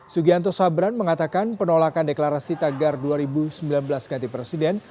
sugianto sabran mengatakan penolakan deklarasi tagar dua ribu sembilan belas ganti presiden